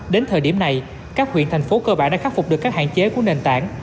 đến thời điểm này các huyện thành phố cơ bản đã khắc phục được các hạn chế của nền tảng